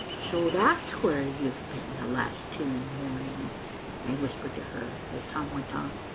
"So that's where you have been the last two mornings," I whispered to her, as Tom went on.